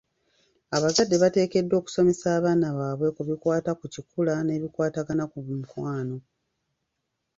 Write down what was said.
Abazadde bateekeddwa okusomesa abaana baabwe ku bikwata ku kikula, n'ebikwatagana ku mukwano.